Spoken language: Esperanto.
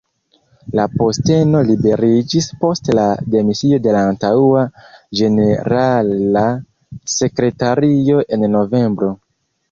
La posteno liberiĝis post la demisio de la antaŭa ĝenerala sekretario en novembro.